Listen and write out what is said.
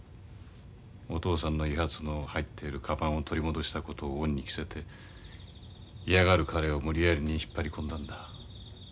お父さんの遺髪の入っているカバンを取り戻したことを恩に着せて嫌がる彼を無理やりに引っ張り込んだんだ。